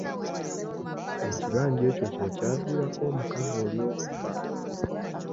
Ekibanja ekyo kye kyaviirako omukazi oli okufa.